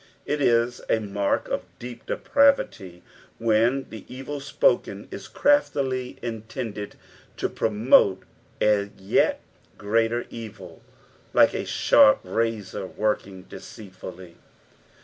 It is a mark of deep depravity, when the evil spoken is craftily intended to promote a yet greater evil, " Lilx a sharp rotor, morking deeeitfuliy."